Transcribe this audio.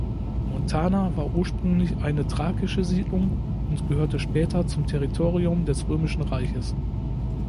Montana war ursprünglich eine thrakische Siedlung und gehörte später zum Territorium des Römischen Reiches.